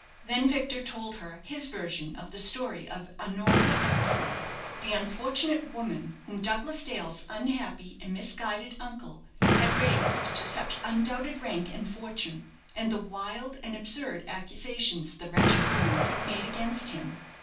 Then Victor told her his version of the story of Honoria Eversleigh, the "unfortunate woman," whom Douglas Dale's unhappy and misguided uncle had raised to such undoubted rank and fortune, and the wild and absurd accusations the wretched woman had made against him.